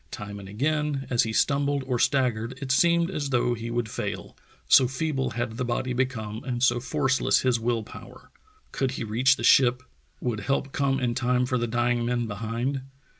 Time and again, as he stumbled or staggered, it seemed as though he would fail, so feeble had the body become and so forceless his will power. Could he reach the ship? Would help come in time for the dying men behind?